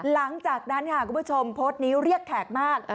หลังจากนั้นค่ะคุณผู้ชมโพสต์นี้เรียกแขกมาก